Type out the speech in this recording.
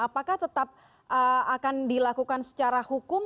apakah tetap akan dilakukan secara hukum